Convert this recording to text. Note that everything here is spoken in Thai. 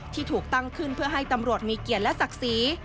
ที่ถูกตั้งขึ้นเพื่อให้ตำรวจมีเกียรติและศักดิ์ศรี